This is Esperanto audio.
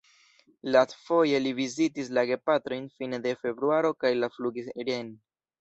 Lastfoje li vizitis la gepatrojn fine de februaro kaj la flugis reen.